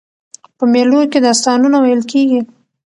په مېلو کښي داستانونه ویل کېږي.